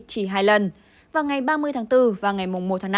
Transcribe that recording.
chỉ hai lần vào ngày ba mươi tháng bốn và ngày một tháng năm